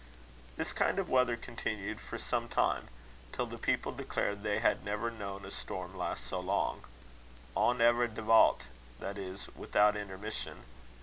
This kind of weather continued for some time, till the people declared they had never known a storm last so long "ohn ever devallt," that is, without intermission.